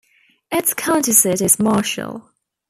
Its county seat is Marshall.